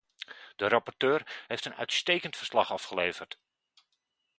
De rapporteur heeft een uitstekend verslag afgeleverd.